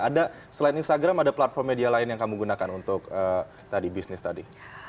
ada selain instagram ada platform media lain yang kamu gunakan untuk tadi bisnis tadi